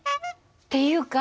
っていうか